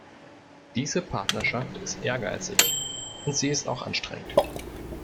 Diese Partnerschaft ist ehrgeizig und sie ist auch anstrengend.